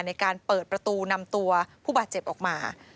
ในการเปิดประตูนำตัวผู้บาดเจ็บออกมา